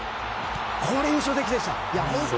これが印象的でしたね。